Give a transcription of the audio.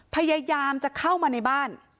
พยายามจะเข้ามาในบ้าน